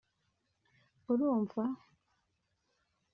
“Urumva